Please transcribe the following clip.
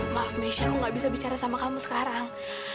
maaf messi aku gak bisa bicara sama kamu sekarang